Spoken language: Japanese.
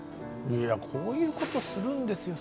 こういうことするんですよ